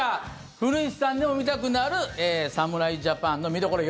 古市さんでも見たくなる侍ジャパンの見どころ